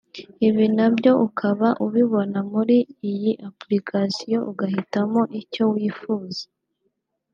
ibi na byo ukaba ubibona muri iyi ’Application’ ugahitamo icyo wifuza